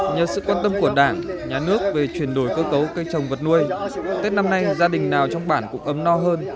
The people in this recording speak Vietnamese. nhờ sự quan tâm của đảng nhà nước về chuyển đổi cơ cấu cây trồng vật nuôi tết năm nay gia đình nào trong bản cũng ấm no hơn